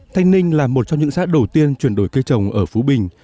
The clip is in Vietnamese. thanh ninh là một trong những xã đầu tiên chuyển đổi cây trồng ở phú bình